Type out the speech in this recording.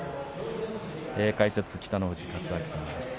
解説は北の富士勝昭さんです。